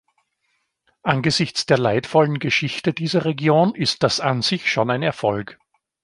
Angesichts der leidvollen Geschichte dieser Region ist das an sich schon ein Erfolg.